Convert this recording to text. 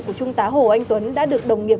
của trung tá hồ anh tuấn đã được đồng nghiệp